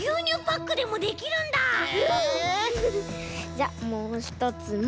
じゃもうひとつも。